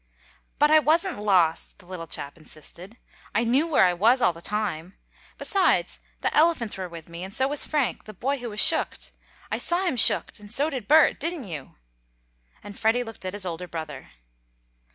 "But I wasn't lost!" the little chap insisted. "I knew where I was all the time. Besides, the elephants were with me, and so was Frank, the boy who was shooked. I saw him shooked and so did Bert, didn't you?" and Freddie looked at his older brother.